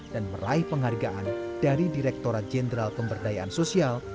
meraih penghargaan dari direkturat jenderal pemberdayaan sosial